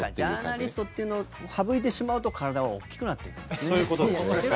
ジャーナリストっていうのを省いてしまうと体は大きくなっていくんですね。